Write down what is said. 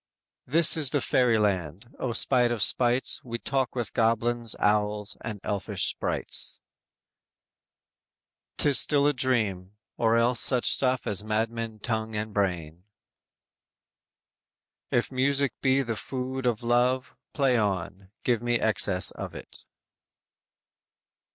"This is the fairy land; O spite of spites We talk with goblins, owls, and elfish sprites. 'Tis still a dream, or else such stuff as Madmen tongue and brain!" _"If music be the food of love, play on; Give me excess of it."